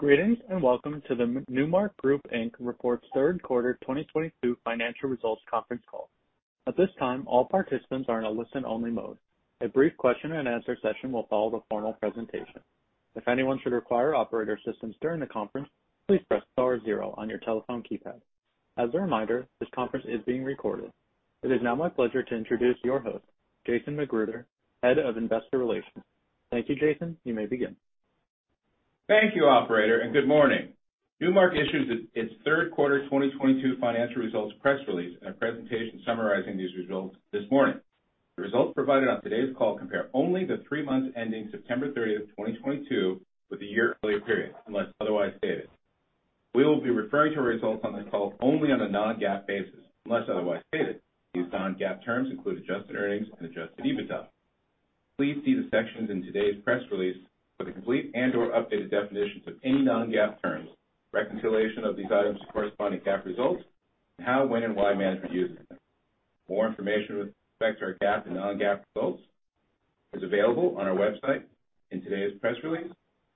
Greetings, and welcome to the Newmark Group, Inc.'s Q3 2022 financial results conference call. At this time, all participants are in a listen-only mode. A brief question and answer session will follow the formal presentation. If anyone should require operator assistance during the conference, please press star zero on your telephone keypad. As a reminder, this conference is being recorded. It is now my pleasure to introduce your host, Jason McGruder, Head of Investor Relations. Thank you, Jason. You may begin. Thank you, operator, and good morning. Newmark issued its Q3 2022 financial results press release and a presentation summarizing these results this morning. The results provided on today's call compare only the three months ending September 30, 2022, with the year-earlier period, unless otherwise stated. We will be referring to results on this call only on a non-GAAP basis unless otherwise stated. These non-GAAP terms include adjusted earnings and adjusted EBITDA. Please see the sections in today's press release for the complete and/or updated definitions of any non-GAAP terms, reconciliation of these terms to corresponding GAAP results, and how, when, and why management uses them. More information with respect to our GAAP and non-GAAP results is available on our website in today's press release,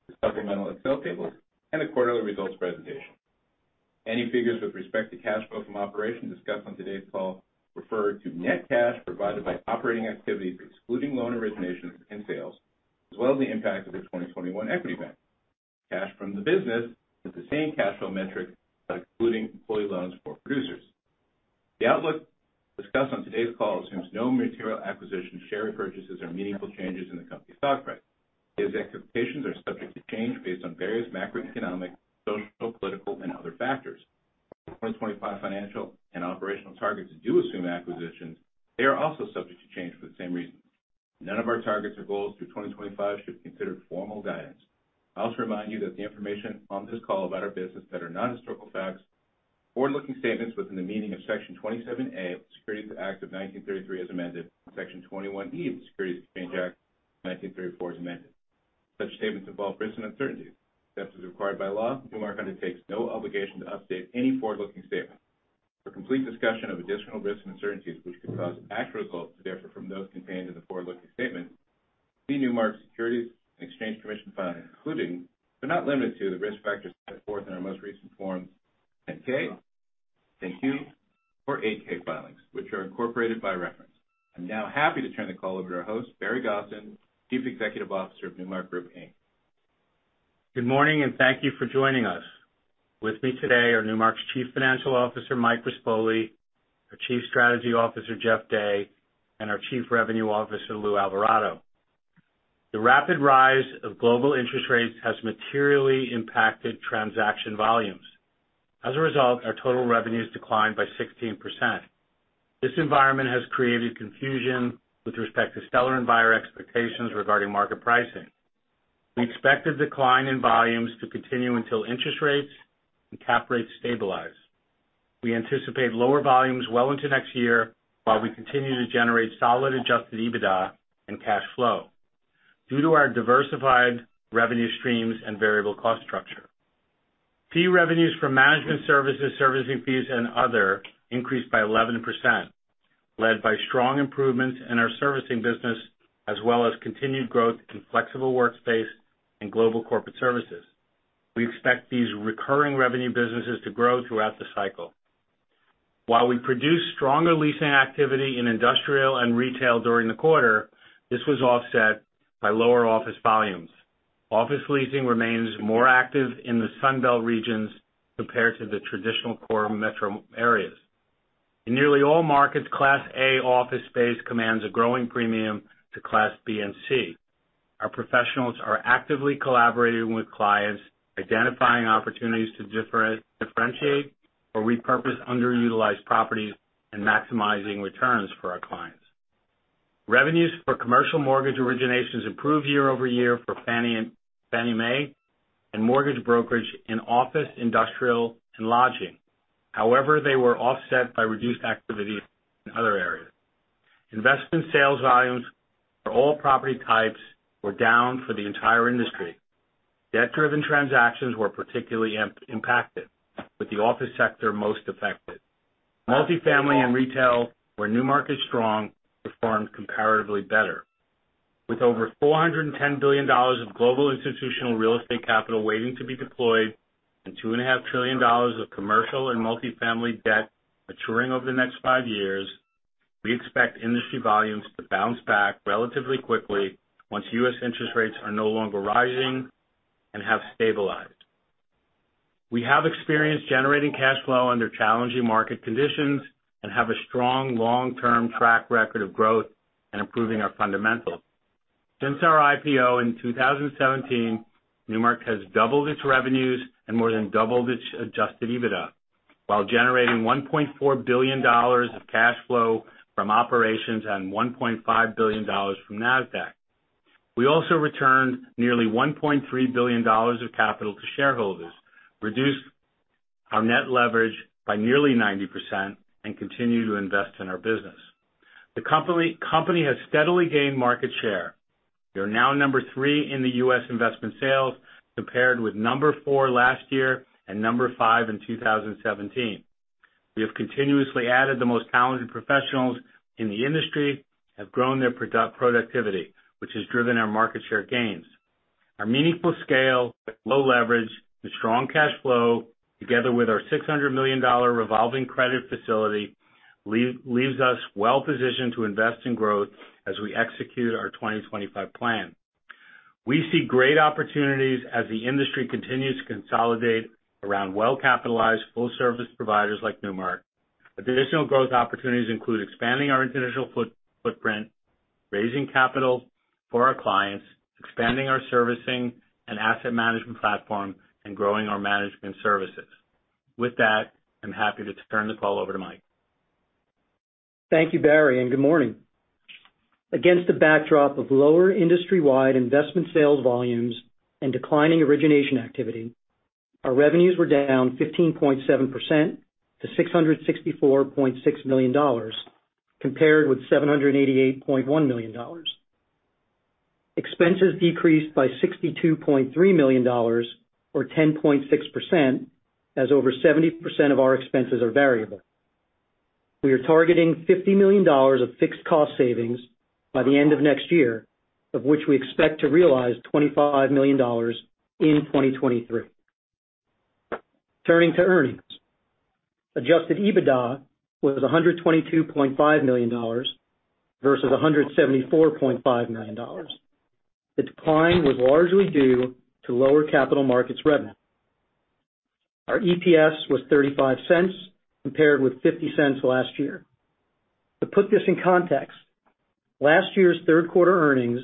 the supplemental Excel tables, and the quarterly results presentation. Any figures with respect to cash flow from operations discussed on today's call refer to net cash provided by operating activities, excluding loan originations and sales, as well as the impact of the 2021 equity event. Cash from the business is the same cash flow metric, but including employee loans for producers. The outlook discussed on today's call assumes no material acquisitions, share repurchases, or meaningful changes in the company's stock price. These expectations are subject to change based on various macroeconomic, social, political, and other factors. Our 2025 financial and operational targets do assume acquisitions, they are also subject to change for the same reasons. None of our targets or goals through 2025 should be considered formal guidance. I also remind you that the information on this call about our business that are not historical facts are forward-looking statements within the meaning of Section 27A of the Securities Act of 1933, as amended, and Section 21E of the Securities Exchange Act of 1934, as amended. Such statements involve risks and uncertainties. Except as required by law, Newmark undertakes no obligation to update any forward-looking statements. For complete discussion of additional risks and uncertainties which could cause actual results to differ from those contained in the forward-looking statement, see Newmark's Securities and Exchange Commission filings, including, but not limited to, the risk factors set forth in our most recent Forms 10-K, 10-Q, or 8-K filings, which are incorporated by reference. I'm now happy to turn the call over to our host, Barry Gosin, Chief Executive Officer of Newmark Group, Inc. Good morning, and thank you for joining us. With me today are Newmark's Chief Financial Officer, Mike Rispoli, our Chief Strategy Officer, Jeff Day, and our Chief Revenue Officer, Lou Alvarado. The rapid rise of global interest rates has materially impacted transaction volumes. As a result, our total revenues declined by 16%. This environment has created confusion with respect to seller and buyer expectations regarding market pricing. We expect the decline in volumes to continue until interest rates and cap rates stabilize. We anticipate lower volumes well into next year while we continue to generate solid adjusted EBITDA and cash flow due to our diversified revenue streams and variable cost structure. Fee revenues from management services, servicing fees, and other increased by 11%, led by strong improvements in our servicing business as well as continued growth in flexible workspace and global corporate services. We expect these recurring revenue businesses to grow throughout the cycle. While we produced stronger leasing activity in industrial and retail during the quarter, this was offset by lower office volumes. Office leasing remains more active in the Sun Belt regions compared to the traditional core metro areas. In nearly all markets, Class A office space commands a growing premium to Class B and C. Our professionals are actively collaborating with clients, identifying opportunities to differentiate or repurpose underutilized properties and maximizing returns for our clients. Revenues for commercial mortgage originations improved year-over-year for Fannie Mae and mortgage brokerage in office, industrial, and lodging. However, they were offset by reduced activity in other areas. Investment sales volumes for all property types were down for the entire industry. Debt-driven transactions were particularly impacted, with the office sector most affected. Multifamily and retail, where Newmark is strong, performed comparatively better. With over $410 billion of global institutional real estate capital waiting to be deployed and $2.5 trillion of commercial and multifamily debt maturing over the next five years, we expect industry volumes to bounce back relatively quickly once US interest rates are no longer rising and have stabilized. We have experience generating cash flow under challenging market conditions and have a strong long-term track record of growth and improving our fundamentals. Since our IPO in 2017, Newmark has doubled its revenues and more than doubled its adjusted EBITDA while generating $1.4 billion of cash flow from operations and $1.5 billion from Nasdaq. We also returned nearly $1.3 billion of capital to shareholders, reduced our net leverage by nearly 90% and continue to invest in our business. The company has steadily gained market share. We are now number three in the U.S. investment sales, compared with number four last year and number five in 2017. We have continuously added the most talented professionals in the industry, have grown their productivity, which has driven our market share gains. Our meaningful scale with low leverage and strong cash flow, together with our $600 million revolving credit facility leaves us well positioned to invest in growth as we execute our 2025 plan. We see great opportunities as the industry continues to consolidate around well-capitalized full service providers like Newmark. Additional growth opportunities include expanding our international footprint, raising capital for our clients, expanding our servicing and asset management platform, and growing our management services. With that, I'm happy to turn the call over to Mike. Thank you, Barry, and good morning. Against the backdrop of lower industry-wide investment sales volumes and declining origination activity, our revenues were down 15.7% to $664.6 million, compared with $788.1 million. Expenses decreased by $62.3 million or 10.6%, as over 70% of our expenses are variable. We are targeting $50 million of fixed cost savings by the end of next year, of which we expect to realize $25 million in 2023. Turning to earnings. Adjusted EBITDA was $122.5 million versus $174.5 million. The decline was largely due to lower capital markets revenue. Our EPS was $0.35 compared with $0.50 last year. To put this in context, last year's third quarter earnings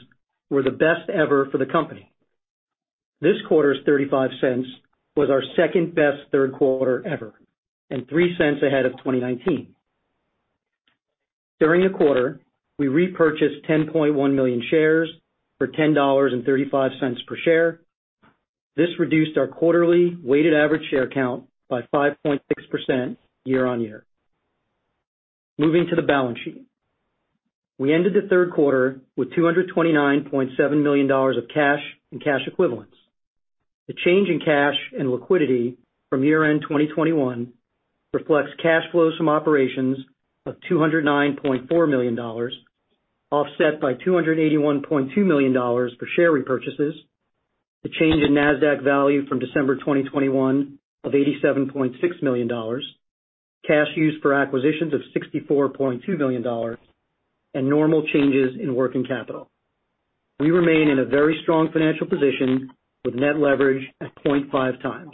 were the best ever for the company. This quarter's $0.35 was our second-best Q3 ever and $0.03 ahead of 2019. During the quarter, we repurchased 10.1 million shares for $10.35 per share. This reduced our quarterly weighted average share count by 5.6% year-on-year. Moving to the balance sheet. We ended the Q3 with $229.7 million of cash and cash equivalents. The change in cash and liquidity from year-end 2021 reflects cash flows from operations of $209.4 million, offset by $281.2 million for share repurchases, the change in Nasdaq value from December 2021 of $87.6 million, cash used for acquisitions of $64.2 million, and normal changes in working capital. We remain in a very strong financial position with net leverage at 0.5x.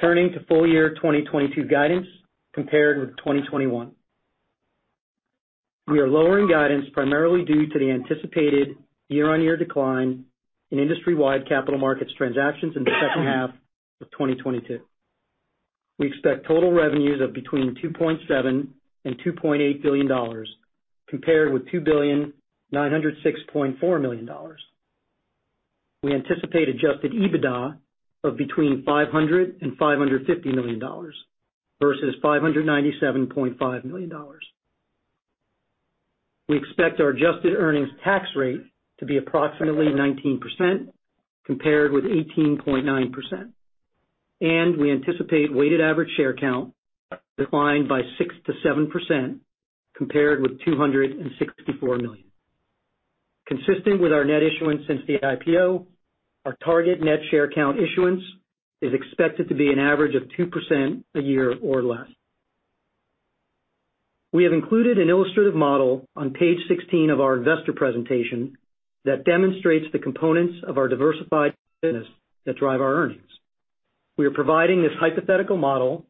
Turning to full year 2022 guidance compared with 2021. We are lowering guidance primarily due to the anticipated year-on-year decline in industry-wide capital markets transactions in the second half of 2022. We expect total revenues of between $2.7 billion and $2.8 billion compared with $2.9064 billion. We anticipate adjusted EBITDA of between $500 million and $550 million versus $597.5 million. We expect our adjusted earnings tax rate to be approximately 19% compared with 18.9%, and we anticipate weighted average share count declined by 6%-7% compared with 264 million. Consistent with our net issuance since the IPO, our target net share count issuance is expected to be an average of 2% a year or less. We have included an illustrative model on page 16 of our investor presentation that demonstrates the components of our diversified business that drive our earnings. We are providing this hypothetical model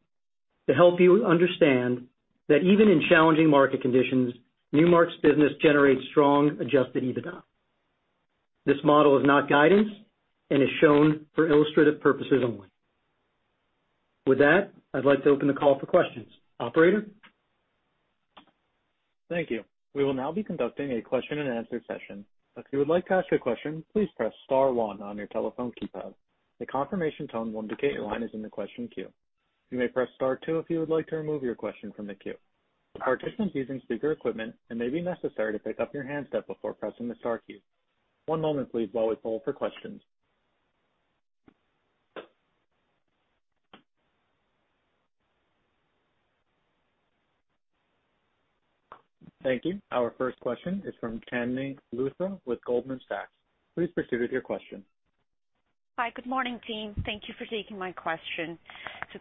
to help you understand that even in challenging market conditions, Newmark's business generates strong adjusted EBITDA. This model is not guidance and is shown for illustrative purposes only. With that, I'd like to open the call for questions. Operator? Thank you. We will now be conducting a question and answer session. If you would like to ask a question, please press star one on your telephone keypad. A confirmation tone will indicate your line is in the question queue. You may press star two if you would like to remove your question from the queue. For participants using speaker equipment, it may be necessary to pick up your handset before pressing the star key. One moment please while we poll for questions. Thank you. Our first question is from Chandni Luthra with Goldman Sachs. Please proceed with your question. Hi. Good morning, team. Thank you for taking my question.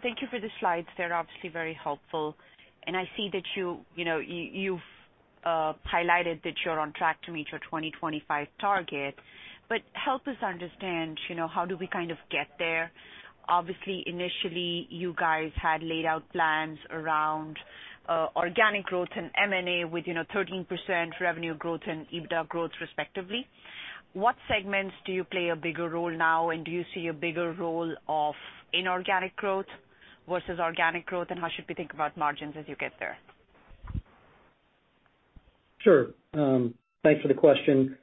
Thank you for the slides. They're obviously very helpful. I see that you've highlighted that you're on track to meet your 2025 target. Help us understand how do we kind of get there? Obviously, initially, you guys had laid out plans around organic growth and M&A with 13% revenue growth and EBITDA growth respectively. What segments do you play a bigger role now? Do you see a bigger role of inorganic growth versus organic growth? How should we think about margins as you get there? Sure. Thanks for the question.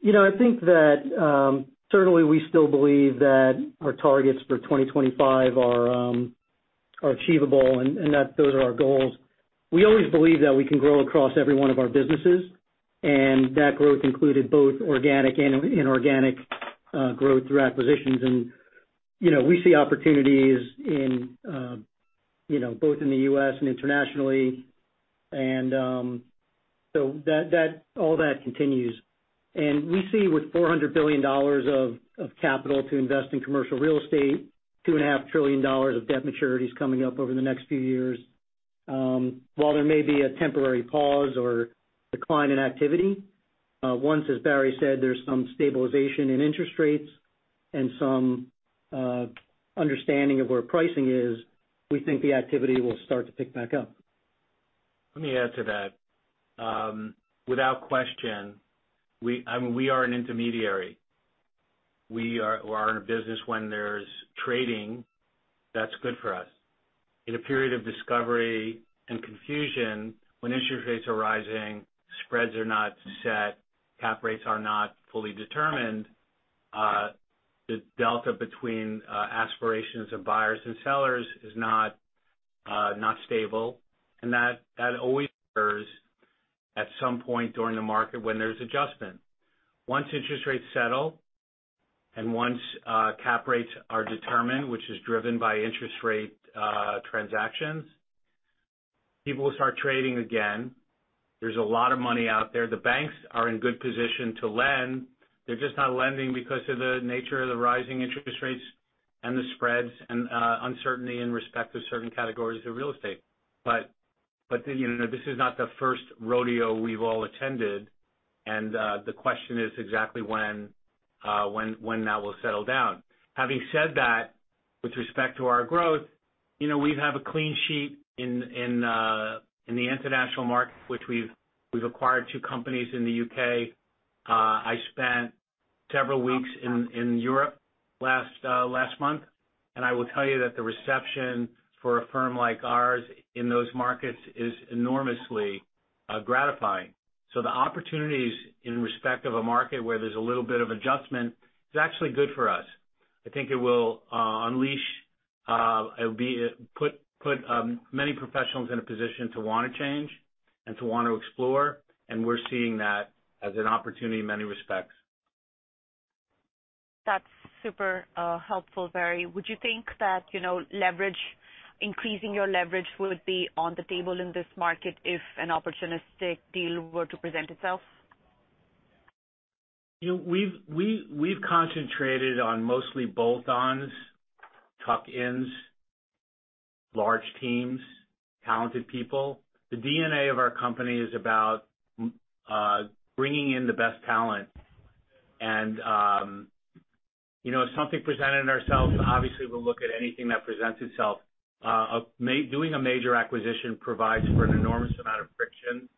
You know, I think that certainly we still believe that our targets for 2025 are achievable and that those are our goals. We always believe that we can grow across every one of our businesses, and that growth included both organic and inorganic growth through acquisitions. You know, we see opportunities in you know both in the US and internationally, and so that all that continues. We see with $400 billion of capital to invest in commercial real estate, $2.5 trillion of debt maturities coming up over the next few years, while there may be a temporary pause or decline in activity, once, as Barry said, there's some stabilization in interest rates and some understanding of where pricing is, we think the activity will start to pick back up. Let me add to that. Without question, we are an intermediary. We are in a business when there's trading, that's good for us. In a period of discovery and confusion, when interest rates are rising, spreads are not set, cap rates are not fully determined, the delta between aspirations of buyers and sellers is not stable. That always occurs at some point during the market when there's adjustment. Once interest rates settle, and once cap rates are determined, which is driven by interest rate transactions, people will start trading again. There's a lot of money out there. The banks are in good position to lend. They're just not lending because of the nature of the rising interest rates and the spreads and uncertainty in respect to certain categories of real estate. You know, this is not the first rodeo we've all attended, and the question is exactly when that will settle down. Having said that, with respect to our growth, you know, we have a clean sheet in the international market, which we've acquired two companies in the UK. I spent several weeks in Europe last month, and I will tell you that the reception for a firm like ours in those markets is enormously gratifying. The opportunities in respect of a market where there's a little bit of adjustment is actually good for us. I think it will unleash. It'll put many professionals in a position to wanna change and to want to explore, and we're seeing that as an opportunity in many respects. That's super helpful, Barry. Would you think that, you know, leverage, increasing your leverage would be on the table in this market if an opportunistic deal were to present itself? You know, we've concentrated on mostly bolt-Ons, tuck-ins, large teams, talented people. The DNA of our company is about bringing in the best talent and, you know, if something presented ourselves, obviously we'll look at anything that presents itself. Doing a major acquisition provides for an enormous amount of friction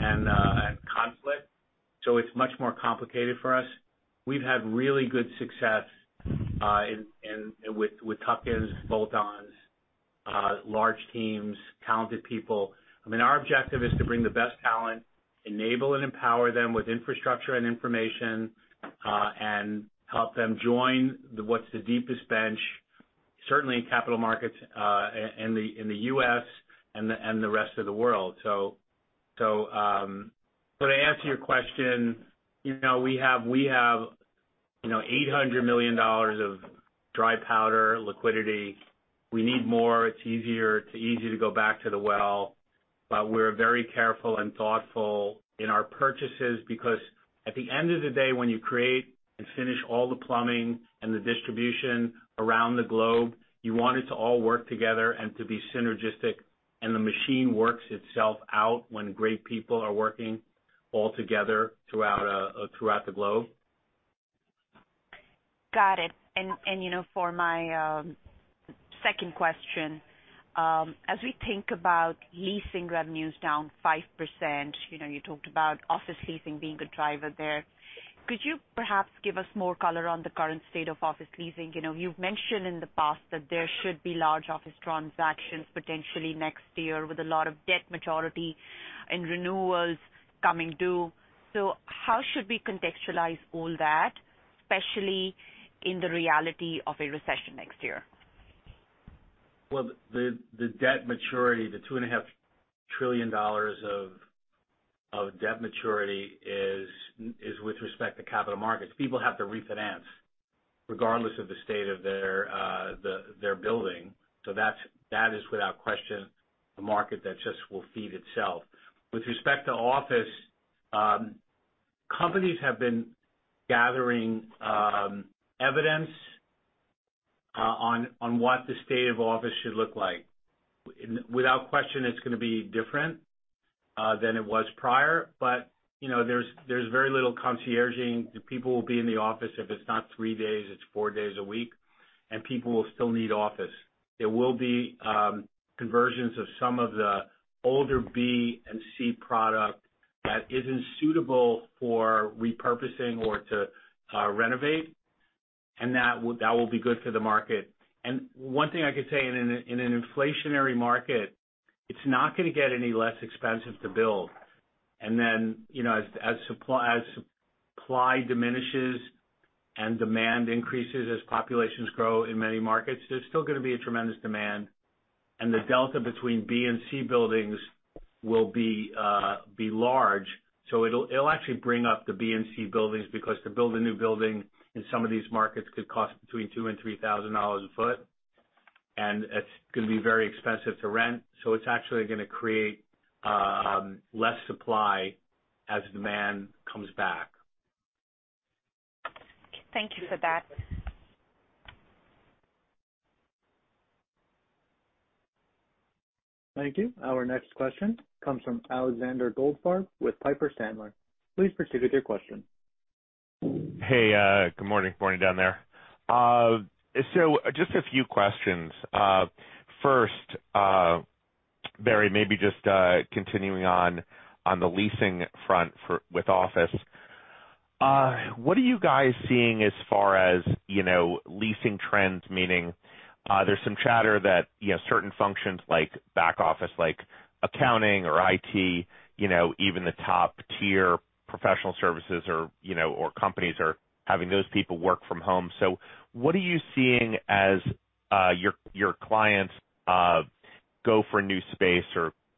and conflict, so it's much more complicated for us. We've had really good success with tuck-ins, bolt-Ons, large teams, talented people. I mean, our objective is to bring the best talent, enable and empower them with infrastructure and information, and help them join the what's the deepest bench, certainly in capital markets, in the US and the rest of the world. To answer your question, you know, we have $800 million of dry powder liquidity. We need more. It's easy to go back to the well, but we're very careful and thoughtful in our purchases because at the end of the day when you create and finish all the plumbing and the distribution around the globe, you want it to all work together and to be synergistic, and the machine works itself out when great people are working all together throughout the globe. Got it. You know, for my second question, as we think about leasing revenues down 5%, you know, you talked about office leasing being a driver there. Could you perhaps give us more color on the current state of office leasing? You know, you've mentioned in the past that there should be large office transactions potentially next year with a lot of debt maturity and renewals coming due. How should we contextualize all that, especially in the reality of a recession next year? Well, the debt maturity, the $2.5 trillion of debt maturity is with respect to capital markets. People have to refinance regardless of the state of their building. That is without question a market that just will feed itself. With respect to office, companies have been gathering evidence on what the state of office should look like. Without question, it's gonna be different than it was prior, but you know, there's very little contraction. The people will be in the office if it's not three days, it's four days a week, and people will still need office. There will be conversions of some of the older B and C product that isn't suitable for repurposing or to renovate, and that will be good for the market. One thing I could say in an inflationary market, it's not gonna get any less expensive to build. Then, you know, as supply diminishes and demand increases as populations grow in many markets. There's still gonna be a tremendous demand, and the delta between B and C buildings will be large. It'll actually bring up the B and C buildings because to build a new building in some of these markets could cost between $2,000 and $3,000 a foot, and it's gonna be very expensive to rent. It's actually gonna create less supply as demand comes back. Thank you for that. Thank you. Our next question comes from Alexander Goldfarb with Piper Sandler. Please proceed with your question. Hey, good morning. Morning down there. Just a few questions. First, Barry, maybe just continuing on the leasing front for office. What are you guys seeing as far as, you know, leasing trends meaning there's some chatter that, you know, certain functions like back office, like accounting or IT, you know, even the top-tier professional services or, you know, or companies are having those people work from home. What are you seeing as your clients go for a new space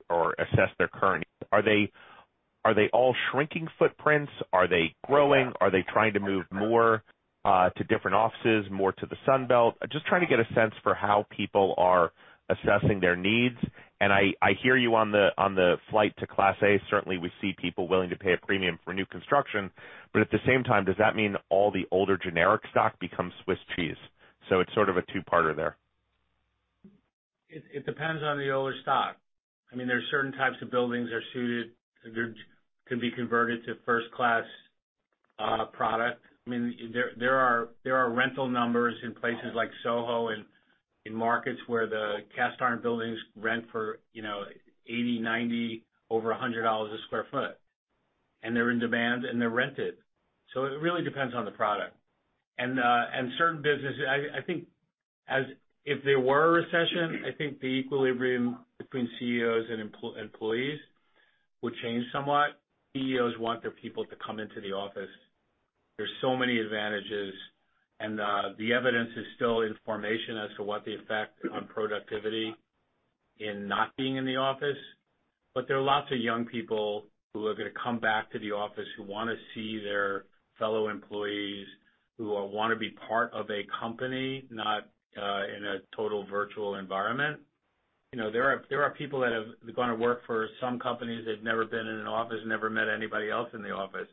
or assess their current? Are they all shrinking footprints? Are they growing? Are they trying to move more to different offices, more to the Sun Belt? Just trying to get a sense for how people are assessing their needs. I hear you on the flight to Class A. Certainly, we see people willing to pay a premium for new construction, but at the same time, does that mean all the older generic stock becomes Swiss cheese? It's sort of a two-parter there. It depends on the older stock. I mean, there are certain types of buildings that could be converted to first-class product. I mean, there are rental numbers in places like SoHo and in markets where the cast-iron buildings rent for, you know, $80, $90, over $100 a sq ft, and they're in demand, and they're rented. It really depends on the product. Certain businesses. I think if there were a recession, I think the equilibrium between CEOs and employees would change somewhat. CEOs want their people to come into the office. There are so many advantages, and the evidence is still in formation as to what the effect on productivity in not being in the office. There are lots of young people who are gonna come back to the office, who wanna see their fellow employees, who wanna be part of a company, not in a total virtual environment. You know, there are people that have gone to work for some companies that have never been in an office, never met anybody else in the office.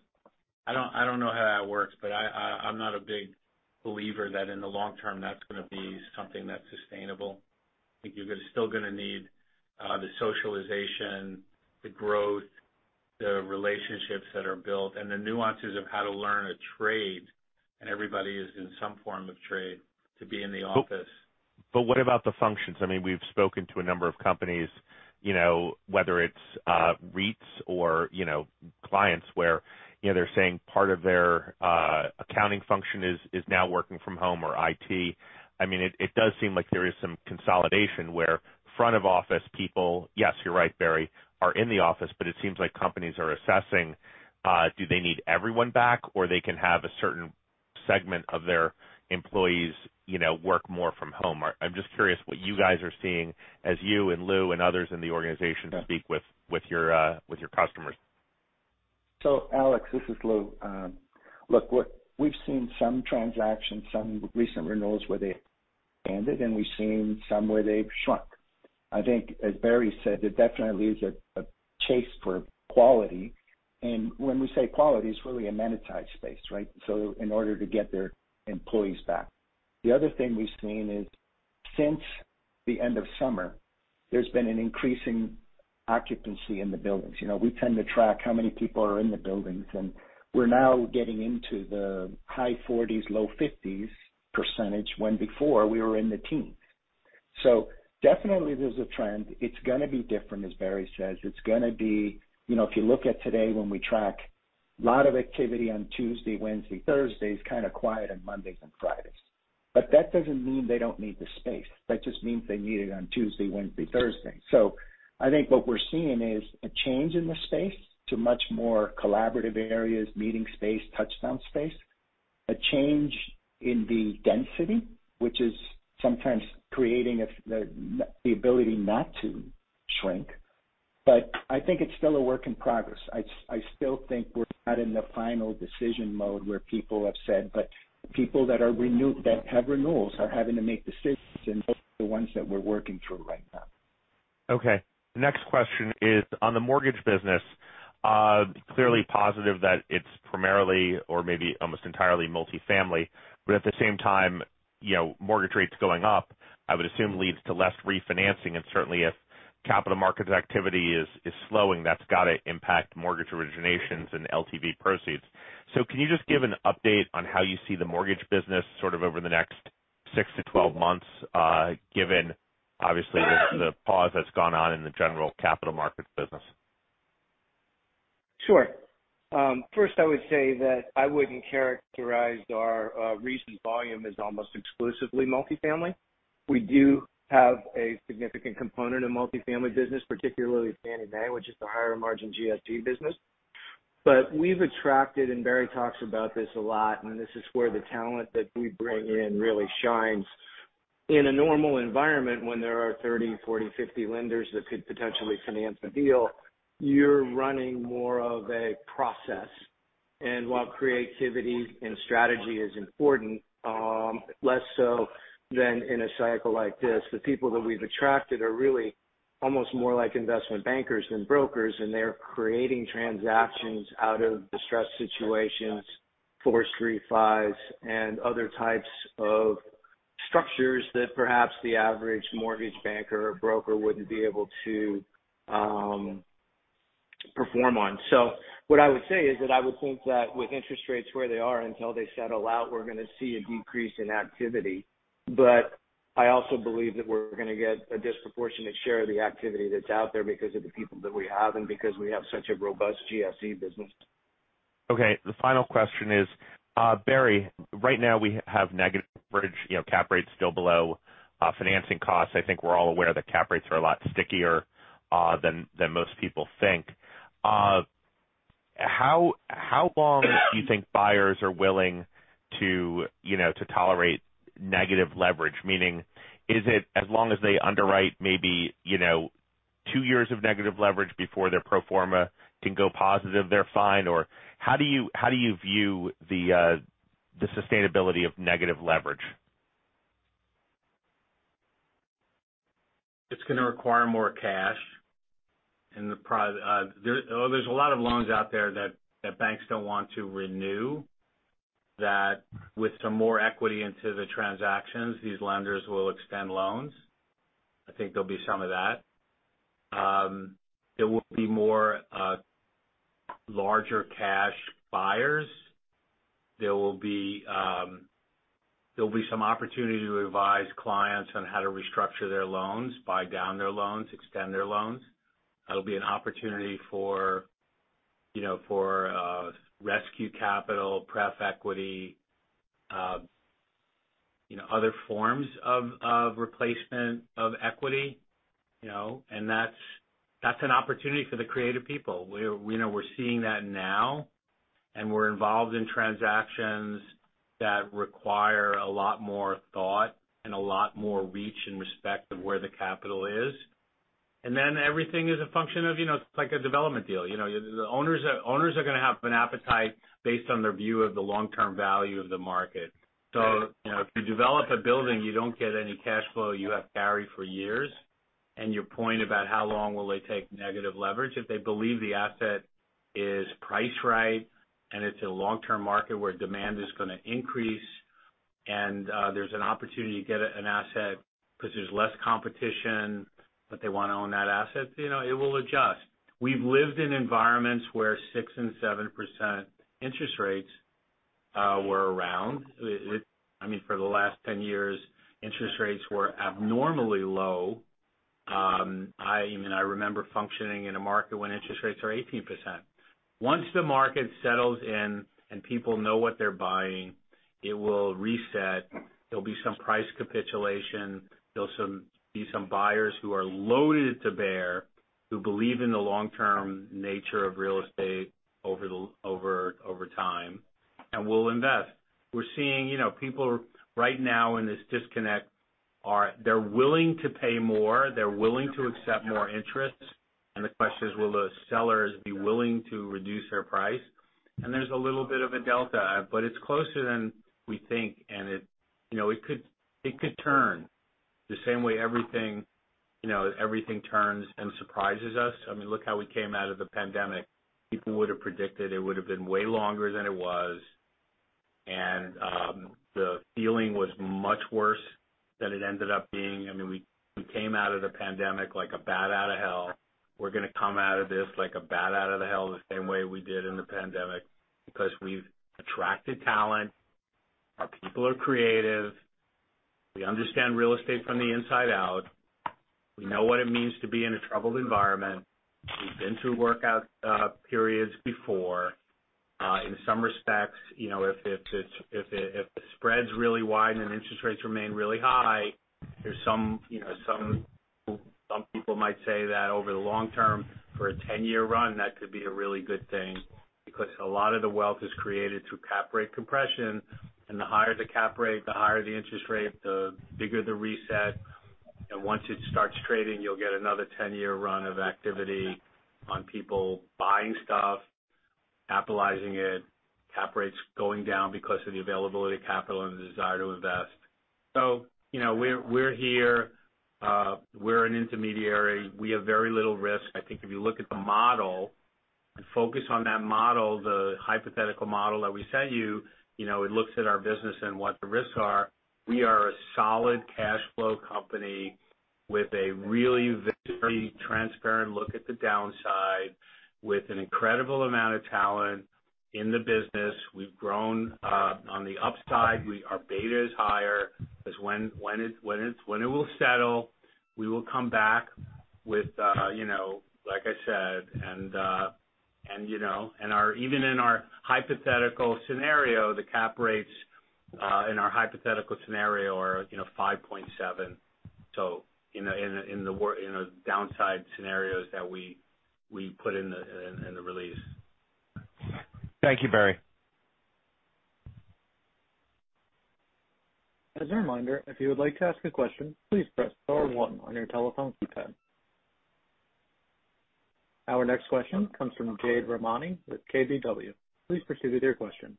I don't know how that works, but I'm not a big believer that in the long term that's gonna be something that's sustainable. I think you're still gonna need the socialization, the growth, the relationships that are built, and the nuances of how to learn a trade, and everybody is in some form of trade to be in the office. What about the functions? I mean, we've spoken to a number of companies, you know, whether it's REITs or, you know, clients where, you know, they're saying part of their accounting function is now working from home or IT. I mean, it does seem like there is some consolidation where front of office people, yes, you're right, Barry, are in the office, but it seems like companies are assessing do they need everyone back, or they can have a certain segment of their employees, you know, work more from home? I'm just curious what you guys are seeing as you and Lou and others in the organization speak with your customers. Alex, this is Lou. Look, we've seen some transactions, some recent renewals where they expanded, and we've seen some where they've shrunk. I think, as Barry said, it definitely is a chase for quality. When we say quality, it's really amenitized space, right? In order to get their employees back. The other thing we've seen is since the end of summer, there's been an increasing occupancy in the buildings. You know, we tend to track how many people are in the buildings, and we're now getting into the high 40s-low 50s%, when before we were in the teens. Definitely there's a trend. It's gonna be different, as Barry says. It's gonna be, you know, if you look at today when we track, a lot of activity on Tuesday, Wednesday, Thursday, it's kind of quiet on Mondays and Fridays. That doesn't mean they don't need the space. That just means they need it on Tuesday, Wednesday, Thursday. I think what we're seeing is a change in the space to much more collaborative areas, meeting space, touchdown space. A change in the density, which is sometimes creating the ability not to shrink. I think it's still a work in progress. I still think we're not in the final decision mode where people have said, but people that have renewals are having to make decisions, and those are the ones that we're working through right now. Okay. The next question is on the mortgage business. Clearly positive that it's primarily or maybe almost entirely multi-family, but at the same time, you know, mortgage rates going up, I would assume leads to less refinancing, and certainly if capital markets activity is slowing, that's gotta impact mortgage originations and LTV proceeds. Can you just give an update on how you see the mortgage business sort of over the next 6-12 months, given obviously the pause that's gone on in the general capital markets business? Sure. First, I would say that I wouldn't characterize our recent volume as almost exclusively multi-family. We do have a significant component of multifamily business, particularly Fannie Mae, which is the higher margin GSE business. We've attracted, and Barry talks about this a lot, and this is where the talent that we bring in really shines. In a normal environment, when there are 30, 40, 50 lenders that could potentially finance a deal, you're running more of a process. While creativity and strategy is important, less so than in a cycle like this. The people that we've attracted are really almost more like investment bankers than brokers, and they're creating transactions out of distressed situations, forbearance, and other types of structures that perhaps the average mortgage banker or broker wouldn't be able to perform on. What I would say is that I would think that with interest rates where they are, until they settle out, we're gonna see a decrease in activity. I also believe that we're gonna get a disproportionate share of the activity that's out there because of the people that we have and because we have such a robust GSE business. Okay. The final question is, Barry, right now we have negative bridge, you know, cap rates still below financing costs. I think we're all aware that cap rates are a lot stickier than most people think. How long do you think buyers are willing to, you know, to tolerate negative leverage? Meaning, is it as long as they underwrite maybe, you know, two years of negative leverage before their pro forma can go positive, they're fine? Or how do you view the sustainability of negative leverage? It's gonna require more cash in the. There's a lot of loans out there that banks don't want to renew, that with some more equity into the transactions, these lenders will extend loans. I think there'll be some of that. There will be more larger cash buyers. There will be some opportunity to advise clients on how to restructure their loans, buy down their loans, extend their loans. That'll be an opportunity for you know rescue capital, Pref equity, you know other forms of replacement of equity, you know. That's an opportunity for the creative people. We know we're seeing that now, and we're involved in transactions that require a lot more thought and a lot more reach in respect of where the capital is. Everything is a function of, you know, it's like a development deal. You know, the owners are gonna have an appetite based on their view of the long-term value of the market. You know, if you develop a building, you don't get any cash flow, you have carry for years. Your point about how long will they take negative leverage, if they believe the asset is priced right and it's a long-term market where demand is gonna increase, and there's an opportunity to get an asset because there's less competition, but they wanna own that asset, you know, it will adjust. We've lived in environments where 6% and 7% interest rates were around. I mean, for the last 10 years, interest rates were abnormally low. I remember functioning in a market when interest rates were 18%. Once the market settles in and people know what they're buying, it will reset. There'll be some price capitulation. There'll be some buyers who are loaded for bear, who believe in the long-term nature of real estate over time, and will invest. We're seeing, you know, people right now in this disconnect they're willing to pay more, they're willing to accept more interest, and the question is, will the sellers be willing to reduce their price? There's a little bit of a delta, but it's closer than we think, and it, you know, it could turn the same way everything, you know, everything turns and surprises us. I mean, look how we came out of the pandemic. People would've predicted it would've been way longer than it was. The feeling was much worse than it ended up being. I mean, we came out of the pandemic like a bat out of hell. We're gonna come out of this like a bat out of hell the same way we did in the pandemic because we've attracted talent, our people are creative, we understand real estate from the inside out, we know what it means to be in a troubled environment, we've been through workout periods before. In some respects, you know, if the spread's really wide and interest rates remain really high, there's some, you know, some people might say that over the long term, for a 10-year run, that could be a really good thing because a lot of the wealth is created through cap rate compression, and the higher the cap rate, the higher the interest rate, the bigger the reset. Once it starts trading, you'll get another 10-year run of activity on people buying stuff, capitalizing it, cap rates going down because of the availability of capital and the desire to invest. You know, we're here, we're an intermediary. We have very little risk. I think if you look at the model and focus on that model, the hypothetical model that we sent you know, it looks at our business and what the risks are. We are a solid cash flow company with a really very transparent look at the downside, with an incredible amount of talent in the business. We've grown on the upside. Our beta is higher because when it will settle, we will come back with, you know, like I said, and, you know, and our even in our hypothetical scenario, the cap rates in our hypothetical scenario are, you know, 5.7. In the downside scenarios that we put in the release. Thank you, Barry. As a reminder, if you would like to ask a question, please press star one on your telephone keypad. Our next question comes from Jade Rahmani with KBW. Please proceed with your question.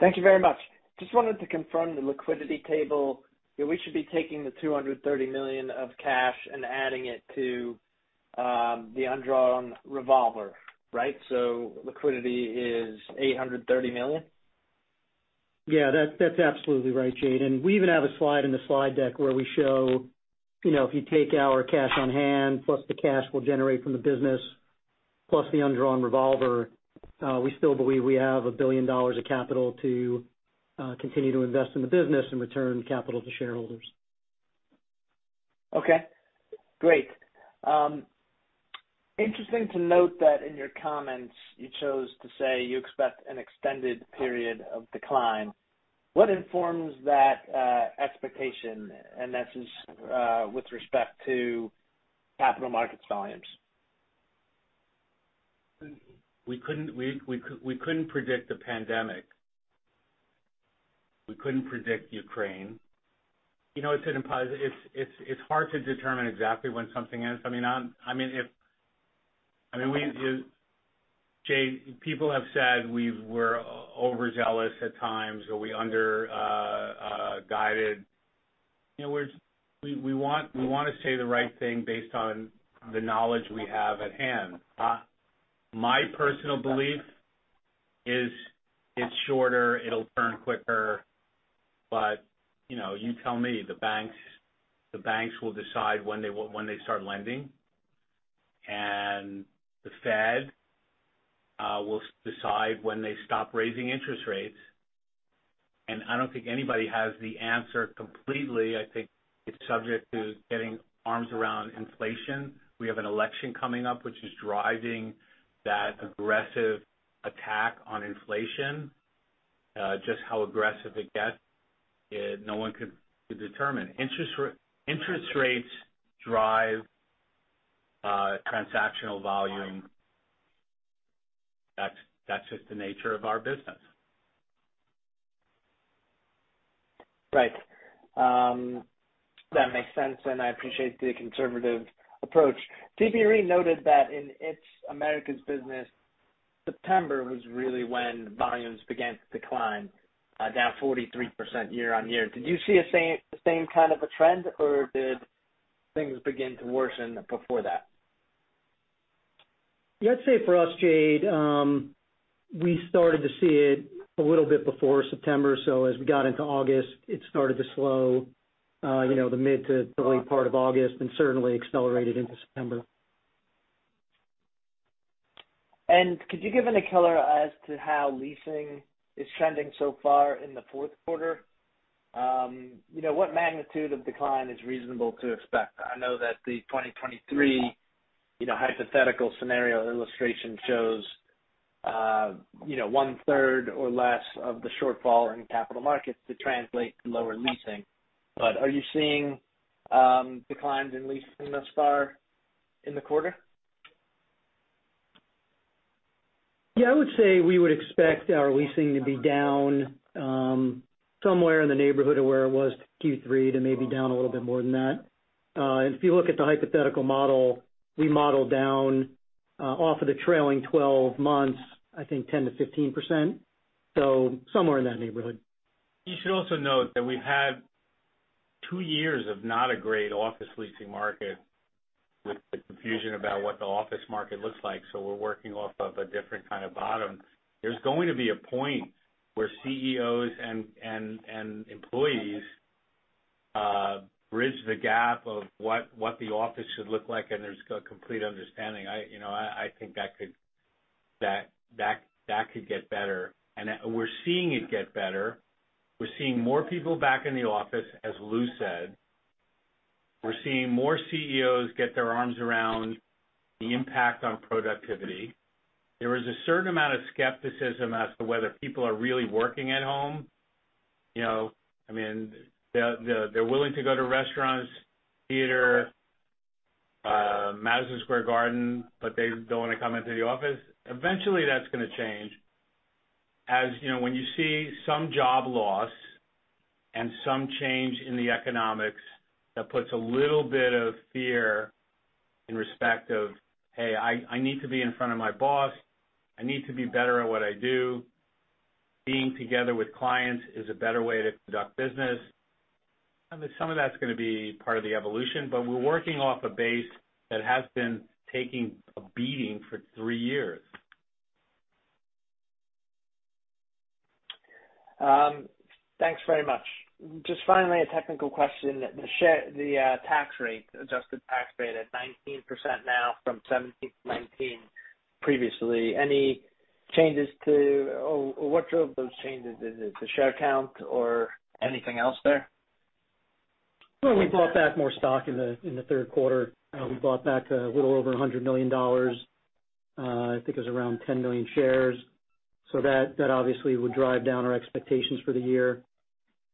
Thank you very much. Just wanted to confirm the liquidity table. That we should be taking the $230 million of cash and adding it to the undrawn revolver, right? Liquidity is $830 million. Yeah. That's absolutely right, Jade. We even have a slide in the slide deck where we show, you know, if you take our cash on hand plus the cash we'll generate from the business plus the undrawn revolver, we still believe we have $1 billion of capital to continue to invest in the business and return capital to shareholders. Okay, great. Interesting to note that in your comments you chose to say you expect an extended period of decline. What informs that, expectation? This is, with respect to capital markets volumes. We couldn't predict the pandemic. We couldn't predict Ukraine. You know, it's hard to determine exactly when something ends. I mean, Jade, people have said we're overzealous at times or we under guided. You know, we want to say the right thing based on the knowledge we have at hand. My personal belief is it's shorter, it'll turn quicker, but you know, you tell me. The banks will decide when they start lending, and the Fed will decide when they stop raising interest rates. I don't think anybody has the answer completely. I think it's subject to getting our arms around inflation. We have an election coming up, which is driving that aggressive attack on inflation. Just how aggressive it gets, no one could determine. Interest rates drive transactional volume. That's just the nature of our business. Right. That makes sense, and I appreciate the conservative approach. CBRE noted that in its Americas business, September was really when volumes began to decline, down 43% year-over-year. Did you see the same kind of a trend, or did things begin to worsen before that? Yeah, I'd say for us, Jade, we started to see it a little bit before September. As we got into August, it started to slow, you know, the mid to the late part of August and certainly accelerated into September. Could you give any color as to how leasing is trending so far in the Q4? You know, what magnitude of decline is reasonable to expect? I know that the 2023, you know, hypothetical scenario illustration shows, you know, one-third or less of the shortfall in capital markets to translate to lower leasing. Are you seeing declines in leasing thus far in the quarter? Yeah. I would say we would expect our leasing to be down, somewhere in the neighborhood of where it was Q3 to maybe down a little bit more than that. If you look at the hypothetical model, we modeled down, off of the trailing 12 months, I think 10%-15%, so somewhere in that neighborhood. You should also note that we've had two years of not a great office leasing market with the confusion about what the office market looks like, so we're working off of a different kind of bottom. There's going to be a point where CEOs and employees bridge the gap of what the office should look like, and there's a complete understanding. You know, I think that could get better. We're seeing it get better. We're seeing more people back in the office, as Lou said. We're seeing more CEOs get their arms around the impact on productivity. There is a certain amount of skepticism as to whether people are really working at home. You know, I mean, they're willing to go to restaurants, theater, Madison Square Garden, but they don't wanna come into the office. Eventually that's gonna change. As you know, when you see some job loss and some change in the economics, that puts a little bit of fear in respect of, "Hey, I need to be in front of my boss. I need to be better at what I do. Being together with clients is a better way to conduct business." I mean, some of that's gonna be part of the evolution, but we're working off a base that has been taking a beating for three years. Thanks very much. Just finally, a technical question. The tax rate, adjusted tax rate at 19% now from 17% to 19% previously. Any changes to or what drove those changes? Is it the share count or anything else there? Well, we bought back more stock in the Q3. We bought back a little over $100 million. I think it was around 10 million shares. That obviously would drive down our expectations for the year.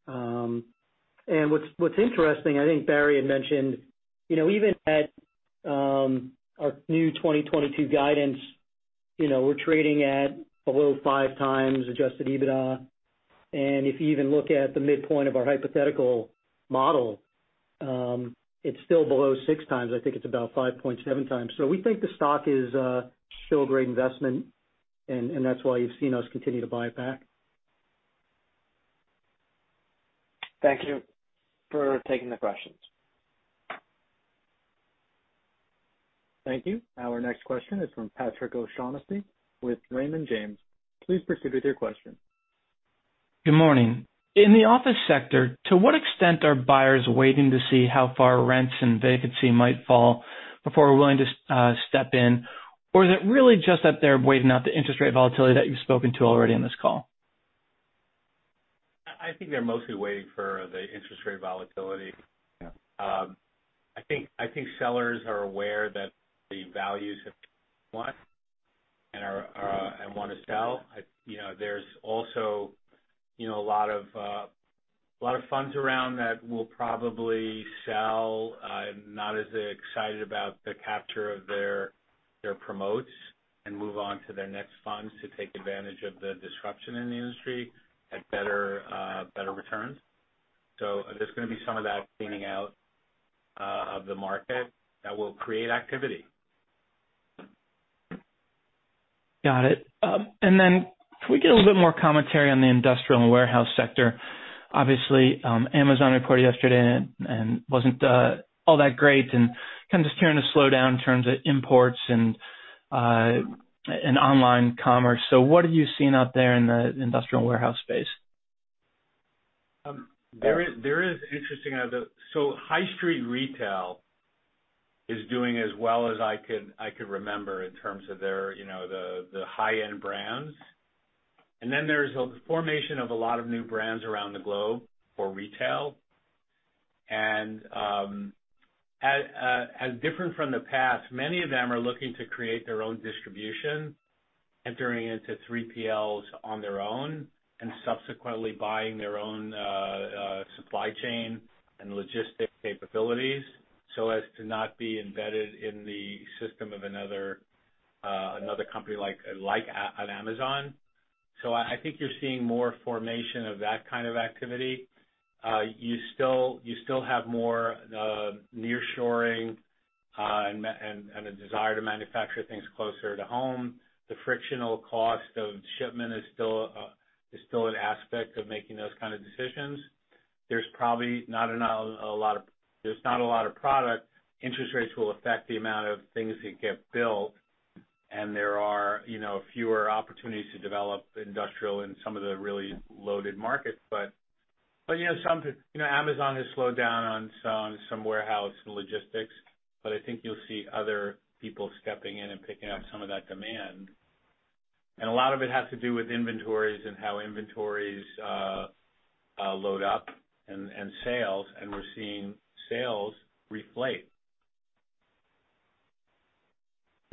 What's interesting, I think Barry had mentioned, you know, even at our new 2022 guidance, you know, we're trading at below 5x adjusted EBITDA. If you even look at the midpoint of our hypothetical model, it's still below 6x. I think it's about 5.7x. We think the stock is still a great investment and that's why you've seen us continue to buy it back. Thank you for taking the questions. Thank you. Our next question is from Patrick O'Shaughnessy with Raymond James. Please proceed with your question. Good morning. In the office sector, to what extent are buyers waiting to see how far rents and vacancy might fall before we're willing to step in? Or is it really just that they're waiting out the interest rate volatility that you've spoken to already in this call? I think they're mostly waiting for the interest rate volatility. I think sellers are aware that the values have and are and wanna sell. You know, there's also, you know, a lot of funds around that will probably sell, not as excited about the capture of their promotes and move on to their next funds to take advantage of the disruption in the industry at better returns. There's gonna be some of that cleaning out of the market that will create activity. Got it. Can we get a little bit more commentary on the industrial and warehouse sector? Obviously, Amazon reported yesterday and wasn't all that great and kind of just hearing a slowdown in terms of imports and online commerce. What are you seeing out there in the industrial warehouse space? There is interesting. High street retail is doing as well as I could remember in terms of their, you know, the high-end brands. Then there's a formation of a lot of new brands around the globe for retail. As different from the past, many of them are looking to create their own distribution, entering into 3PLs on their own, and subsequently buying their own supply chain and logistics capabilities so as to not be embedded in the system of another company like Amazon. I think you're seeing more formation of that kind of activity. You still have more nearshoring and a desire to manufacture things closer to home. The frictional cost of shipment is still an aspect of making those kind of decisions. There's not a lot of product. Interest rates will affect the amount of things that get built, and there are, you know, fewer opportunities to develop industrial in some of the really loaded markets. You know, some you know, Amazon has slowed down on some warehouse and logistics, but I think you'll see other people stepping in and picking up some of that demand. A lot of it has to do with inventories and how inventories load up and sales, and we're seeing sales reflate.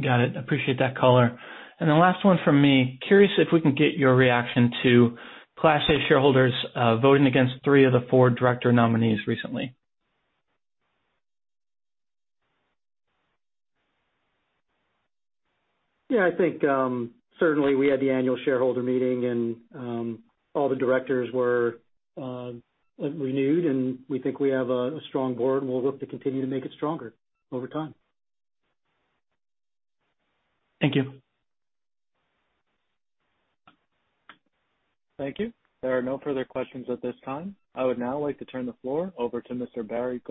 Got it. Appreciate that color. The last one from me. Curious if we can get your reaction to Class A shareholders voting against three of the four director nominees recently? Yeah, I think, certainly we had the annual shareholder meeting and, all the directors were, renewed, and we think we have a strong board, and we'll look to continue to make it stronger over time. Thank you. Thank you. There are no further questions at this time. I would now like to turn the floor over to Mr. Barry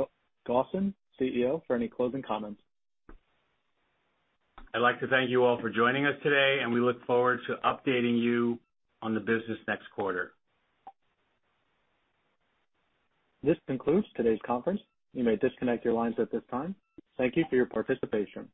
Gosin, CEO, for any closing comments. I'd like to thank you all for joining us today, and we look forward to updating you on the business next quarter. This concludes today's conference. You may disconnect your lines at this time. Thank you for your participation.